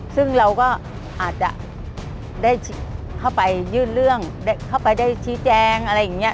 ซึ่งเราก็อาจจะได้เข้าไปยื่นเรื่องเข้าไปได้ชี้แจงอะไรอย่างนี้